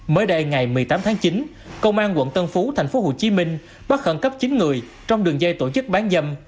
mới đây ngày một mươi tám tháng chín công an quận tân phú tp hcm bắt khẩn cấp chín người trong đường dây tổ chức bán dâm